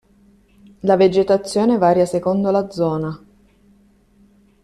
La vegetazione varia secondo la zona.